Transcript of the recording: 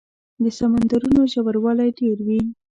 د سمندرونو ژوروالی ډېر وي.